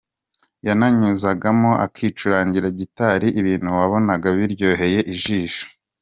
Yananyuzagamo akicurangira gitari ibintu wabonaga biryoheye ijisho.